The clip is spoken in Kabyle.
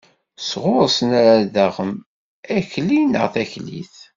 Sɣur-sen ara d-taɣem akli neɣ taklit.